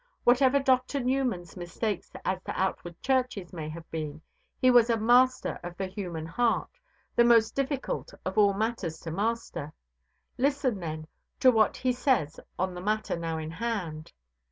Whatever Dr. Newman's mistakes as to outward churches may have been, he was a master of the human heart, the most difficult of all matters to master. Listen, then, to what he says on the matter now in hand.